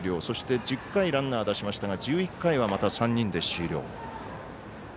そして１０回ランナー出しましたが、１１回はまた３人で終了。